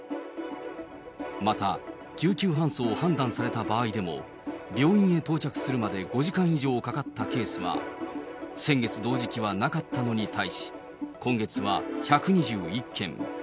また、救急搬送を判断された場合でも、病院へ到着するまで５時間以上かかったケースは、先月同時期はなかったのに対し、今月は１２１件。